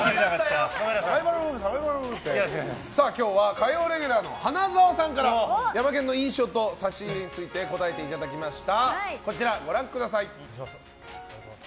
今日は火曜レギュラーの花澤さんからヤマケンの印象と差し入れについて答えていただきました。